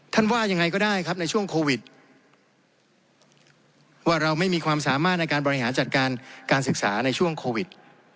ท่านว่ายังไงได้ในช่วงโควิด